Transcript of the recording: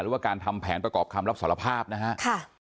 หรือว่าการทำแผนประกอบคำรับสารภาพนะฮะ